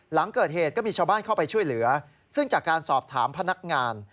หลังเกิดเหตุก็มีชาวบ้านเข้าไปช่วยเหลือซึ่งจากการสอบถามพนักงาน